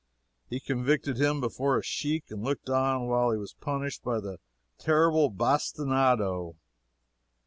He convicted him before a sheik and looked on while he was punished by the terrible bastinado.